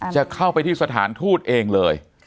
จะเข้าไปที่สถานทูตเองเลย